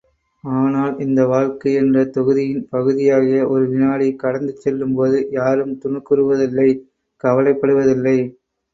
ஆனால், இந்த வாழ்க்கை என்ற தொகுதியின் பகுதியாகிய ஒரு வினாடி கடந்து செல்லும்போது யாரும் துணுக்குறுவதில்லை கவலைப்படுவதில்லை.